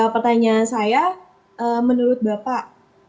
pertanyaan saya menurut bapak